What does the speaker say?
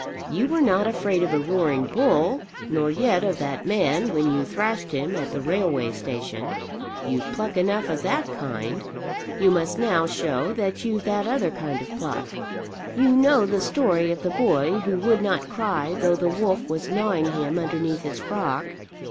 You were not afraid of a roaring bull, nor yet of that man when you thrashed him at the railway station. You've pluck enough of that kind. You must now show that you've that other kind of pluck. You know the story of the boy who would not cry though the wolf was gnawing him underneath his frock.